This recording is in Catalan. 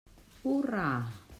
Hurra!